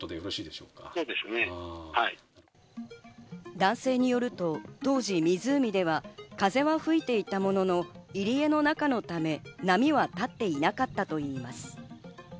男性によると、当時、湖では風は吹いていたものの、入江の中のため波は立っていなかったといいます。